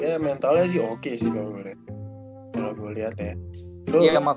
dan dia mentalnya sih oke sih kalau gue liat ya